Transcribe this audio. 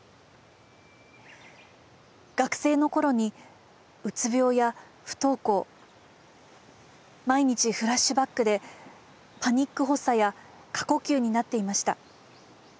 「学生のころにうつ病や不登校毎日フラッシュバックでパニック発作や過呼吸になっていました。